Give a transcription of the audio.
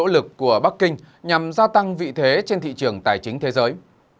lực của bắc kinh nhằm gia tăng vị thế trên thị trường tài chính thế giới